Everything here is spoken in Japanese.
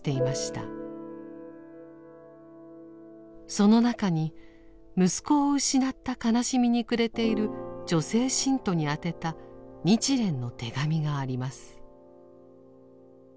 その中に息子を失った悲しみに暮れている女性信徒に宛てた日蓮の手紙があります。